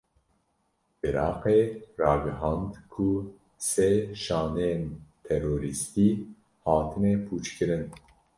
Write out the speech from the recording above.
Iraqê ragihand ku sê şaneyên terorîstî hatine pûçkirin.